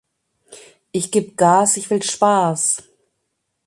Ich geb Gas, ich will Spaß.